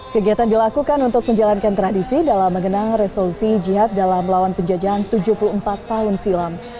kegiatan dilakukan untuk menjalankan tradisi dalam mengenang resolusi jihad dalam melawan penjajahan tujuh puluh empat tahun silam